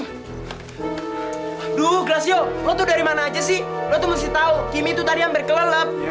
aduh gracio lo tuh dari mana aja sih lo tuh mesti tahu kimmy itu tadi hampir kelelap